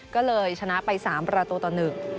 ก็เลยชนะไป๓ประตูตะหนึ่ง